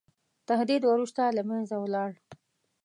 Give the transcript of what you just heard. تهدید وروسته له منځه ولاړ.